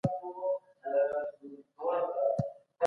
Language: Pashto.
ډیپلوماسي د خپلواکۍ لپاره ده.